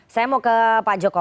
saya mau ke pak joko